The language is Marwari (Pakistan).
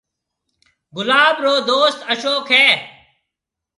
گلاب رو دوست اشوڪ ھيََََ